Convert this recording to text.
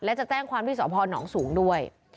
และจะแจ้งความที่สพนสูงด้วย